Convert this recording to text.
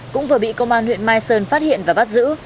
cũng vừa bị công an huyện mai sơn phát hiện và bắt giữ